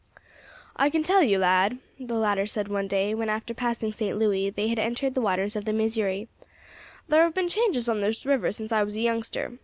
"I can tell you, lad," the latter said one day, when, after passing St. Louis, they had entered the waters of the Missouri, "thar have been changes on this river since I was a youngster.